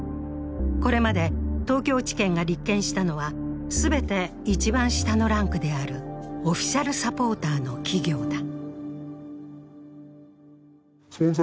これまで東京地検が立件したのは全て一番下のランクであるオフィシャルサポーターの企業だ。